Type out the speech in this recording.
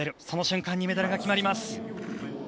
その瞬間にメダルが決まります。